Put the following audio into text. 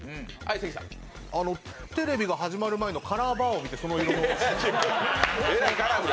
テレビが始まる前のカラーバーを見てその色の。